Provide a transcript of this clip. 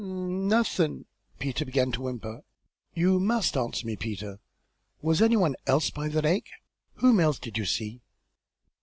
"N Nothin' " Peter began to whimper. "You must answer me, Peter; was any one else by the lake? Whom else did you see?"